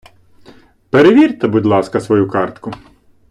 Перевірте, будь ласка, свою картку!